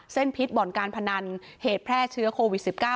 เส้นพิษบ่อนการพนันเหตุแพร่เชื้อโควิดสิบเก้า